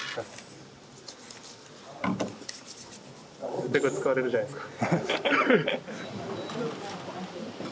絶対これ使われるじゃないですか。